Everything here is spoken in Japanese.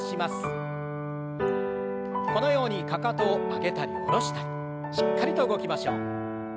このようにかかとを上げたり下ろしたりしっかりと動きましょう。